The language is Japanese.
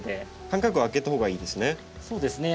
間隔は空けたほうがいいですね？